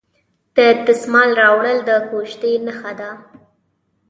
د دسمال راوړل د کوژدې نښه ده.